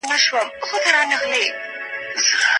مقطعات حروف د نعمتونو يا مصيبتونو يادونه ده.